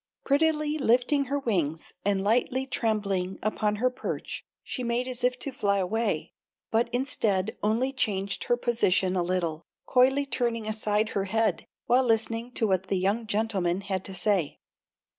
Prettily lifting her wings and lightly trembling upon her perch she made as if to fly away, but instead only changed her position a little, coyly turning aside her head while listening to what the young gentleman had to say.